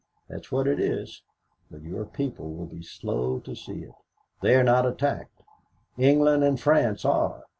That is what it is, but your people will be slow to see it. They are not attacked. England and France are.